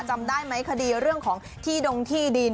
จำได้ไหมคดีเรื่องของที่ดงที่ดิน